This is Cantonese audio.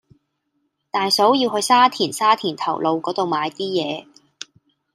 大嫂要去沙田沙田頭路嗰度買啲嘢